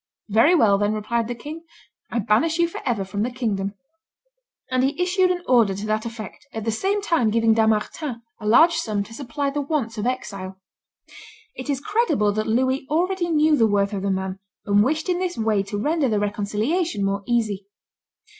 "Very well, then," replied the king, "I banish you forever from the kingdom." And he issued an order to that effect, at the same time giving Dampmartin a large sum to supply the wants of exile. It is credible that Louis already knew the worth of the man, and wished in this way to render their reconciliation more easy.